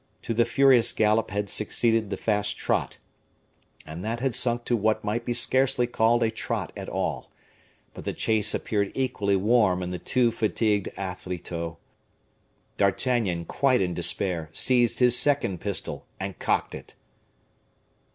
To the furious gallop had succeeded the fast trot, and that had sunk to what might be scarcely called a trot at all. But the chase appeared equally warm in the two fatigued athletoe. D'Artagnan, quite in despair, seized his second pistol, and cocked it.